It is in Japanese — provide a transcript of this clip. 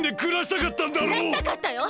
くらしたかったよ！